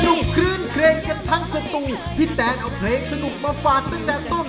คลื่นเครงกันทั้งสตูพี่แตนเอาเพลงสนุกมาฝากตั้งแต่ต้น